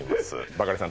バカリさん